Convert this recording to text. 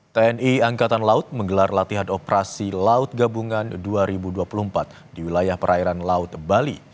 tni angkatan laut menggelar latihan operasi laut gabungan dua ribu dua puluh empat di wilayah perairan laut bali